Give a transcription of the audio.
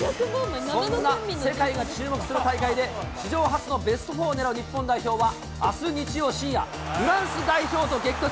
そんな世界が注目する大会で史上初のベスト４を狙う日本代表は、あす日曜深夜、フランス代表と激突。